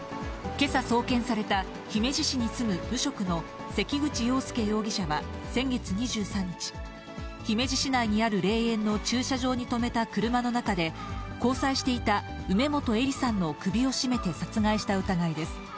けさ送検された、姫路市に住む無職の関口羊佑容疑者は先月２３日、姫路市内にある霊園の駐車場に止めた車の中で、交際していた梅本依里さんの首を絞めて殺害した疑いです。